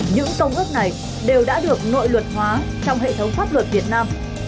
những công ước này đều đã được nội luật hóa trong hệ thống pháp luật việt nam